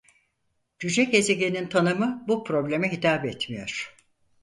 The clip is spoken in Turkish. Cüce gezegenin tanımı bu probleme hitap etmiyor.